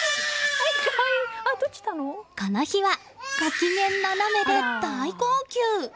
この日は、ご機嫌ななめで大号泣。